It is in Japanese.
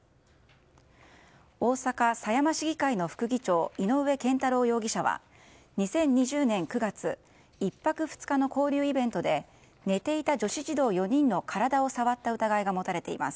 大阪・狭山市議会の副議長井上健太郎容疑者は２０２０年９月１泊２日の交流イベントで寝ていた女子児童４人の体を触った疑いが持たれています。